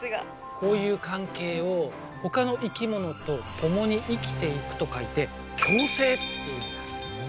こういう関係をほかの生き物と共に生きていくと書いて「共生」っていうんだ。